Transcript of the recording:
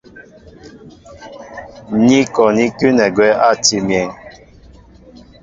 Ni kɔ ní kʉ́nɛ agwɛ́ átii myéŋ.